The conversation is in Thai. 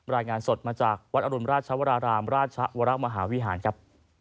รายงานสดมาจากวัดอรุณราชวรารามราชวรมหาวิหารครับ